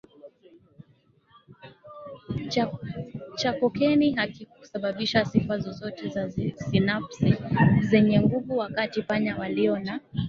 cha kokeni hakikusababisha sifa zozote za sinapsi zenye nguvu Wakati panya walio na